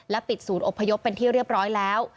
ปิดศูนย์อบพยพเป็นที่เรียบร้อยแล้ว